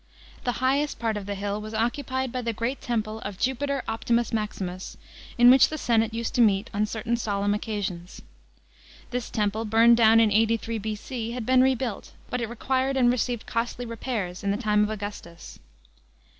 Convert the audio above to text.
The highest part of the hill was occupied by the great temple of Jupiter Optimus Mnximus, in which the senate used to meet on certain solemn occasions. This temple, burnt down in 83 B.C., had been rebuilt, but it required and received costly repairs in the time of Augustus.